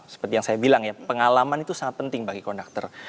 seperti yang saya bilang ya pengalaman itu sangat penting bagi konduktor